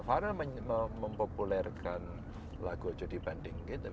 varel mempopulerkan lagu jodi banding kek